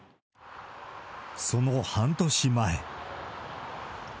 その半年前。